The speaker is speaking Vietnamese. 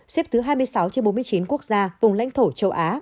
xếp thứ hai mươi sáu trên bốn mươi chín quốc gia vùng lãnh thổ châu á